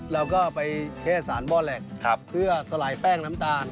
เราก็ไปแช่สารมอดแหลก